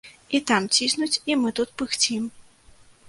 І там ціснуць, і мы тут пыхцім.